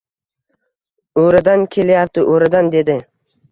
— O’radan kelyapti, o‘radan, — dedi.